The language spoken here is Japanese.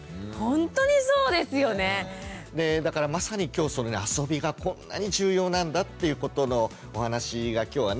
まさに今日そのあそびがこんなに重要なんだっていうことのお話が今日はね